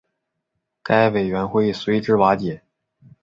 该委员会随之瓦解。